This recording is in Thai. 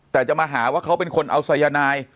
แต่จะมาหาว่าเขาเป็นคนเอาสายนาย